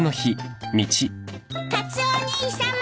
カツオお兄さま。